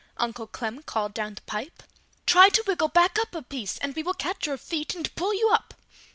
Uncle Clem called down the pipe. "Try to wiggle back up a piece and we will catch your feet and pull you up!"